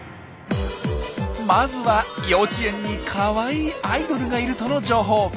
まずは幼稚園にかわいいアイドルがいるとの情報！